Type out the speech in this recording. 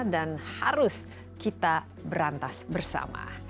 dan harus kita berantas bersama